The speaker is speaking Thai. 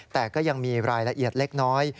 แต่ก็ยังมีรายละเอียดเล็กน้อย